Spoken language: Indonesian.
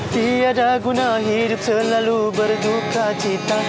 tiada guna hidup selalu berduka cita